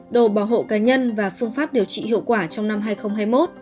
đồ bảo hộ cá nhân và phương pháp điều trị hiệu quả trong năm hai nghìn hai mươi một